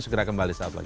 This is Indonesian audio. segera kembali saat lagi